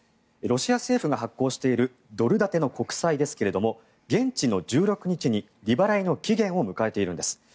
ロシア政府が発行しているドル建ての国債ですが現地の１６日に利払いの期限を迎えているんです。